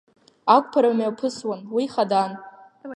Ақәԥара мҩаԥысуан, уи хадан.